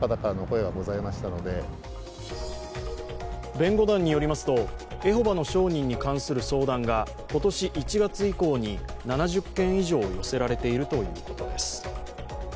弁護団によりますとエホバの証人に関する相談が今年１月以降に７０件以上寄せられているということです。